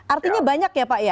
artinya banyak ya pak ya